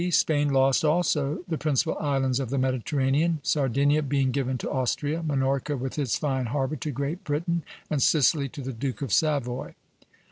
Spain lost also the principal islands of the Mediterranean; Sardinia being given to Austria, Minorca with its fine harbor to Great Britain, and Sicily to the Duke of Savoy.